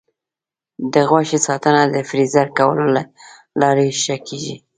د غوښې ساتنه د فریز کولو له لارې ښه کېږي.